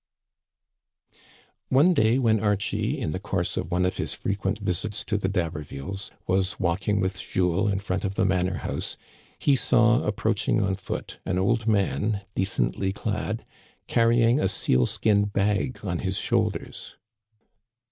One day when Archie, in the course of one of his frequent visits to the D'Habervilles, was walking with Jules in front of the manor house, he saw approaching on foot an old man, decently clad, carrying a sealskin bag on his shoulders.